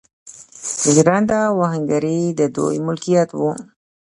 ژرنده او اهنګري د دوی ملکیت و.